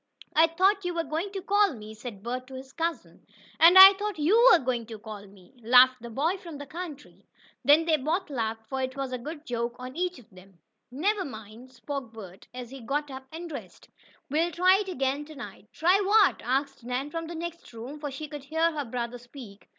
"I thought you were going to call me," said Bert to his cousin. "And I thought you were going to call ME," laughed the boy from the country. Then they both laughed, for it was a good joke on each of them. "Never mind," spoke Bert, as he got up and dressed. "We'll try it again to night." "Try what?" asked Nan from the next room, for she could hear her brother speak.